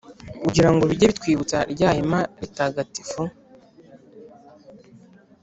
ugira ngo bijye bitwibutsa rya Hema ritagatifu,